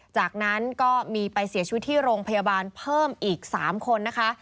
จากนั้นก็มีไปเสียชีวิตที่โรงพยาบาลเพิ่มอีก๓คนนะคะ